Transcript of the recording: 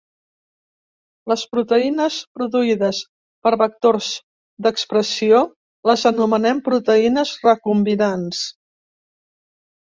Les proteïnes produïdes per vectors d'expressió, les anomenem proteïnes recombinants.